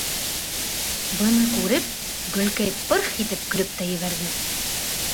Быны күреп, Гөлкәй пырх итеп көлөп тә ебәрҙе: